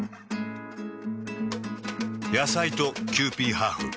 野菜とキユーピーハーフ。